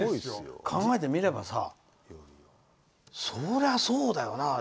考えてみれば、そりゃそうだよな。